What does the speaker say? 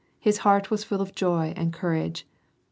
His heart was full of joy and courage.